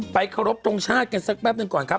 ไปขอรบตรงชาติกันสักแปบนึงก่อนครับ